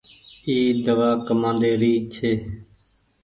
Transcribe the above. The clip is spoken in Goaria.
اي دوآ ڪمآندي ري ڇي۔